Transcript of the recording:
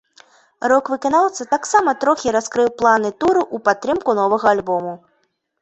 Рок-выканаўца таксама трохі раскрыў планы туру ў падтрымку новага альбому.